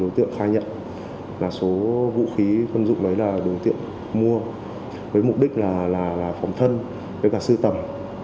đối tượng khai nhận là số vũ khí quân dụng đấy là đối tượng mua với mục đích là phòng thân với cả sưu tầm